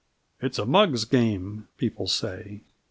"It's a mug's game," people say.